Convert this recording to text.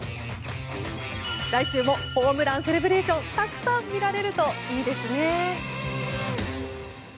来週もホームランセレブレーションたくさん見られるといいですね。